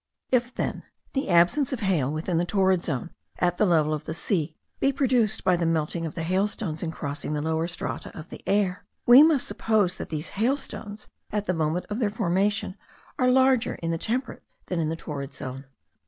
If then the absence of hail within the torrid zone, at the level of the sea, be produced by the melting of the hailstones in crossing the lower strata of the air, we must suppose that these hail stones, at the moment of their formation, are larger in the temperate than in the torrid zone.